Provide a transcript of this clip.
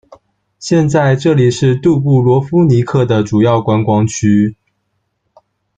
现在这里是杜布罗夫尼克的主要观光区。